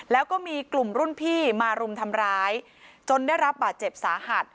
แล้วก็มีกลุ่มรุ่นพี่มารุมทำร้ายจนได้รับบาดเจ็บสาหัส